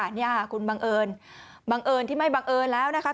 นี่ค่ะคุณบังเอิญบังเอิญที่ไม่บังเอิญแล้วนะคะ